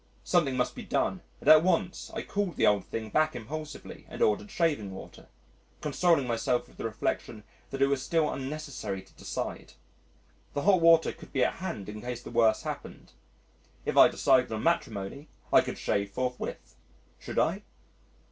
Something must be done and at once. I called the old thing back impulsively and ordered shaving water, consoling myself with the reflection that it was still unnecessary to decide; the hot water could be at hand in case the worst happened. If I decided on matrimony I could shave forthwith. Should I?